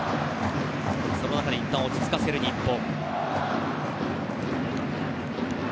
その辺りもあっていったん落ち着かせる日本。